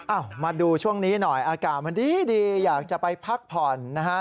มาดูช่วงนี้หน่อยอากาศมันดีอยากจะไปพักผ่อนนะฮะ